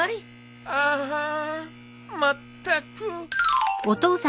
あぁまったく。